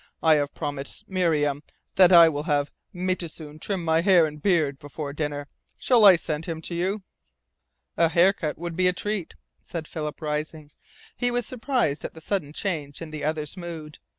I have promised Miriam that I will have Metoosin trim my hair and beard before dinner. Shall I send him to you?" "A hair cut would be a treat," said Philip, rising. He was surprised at the sudden change in the other's mood.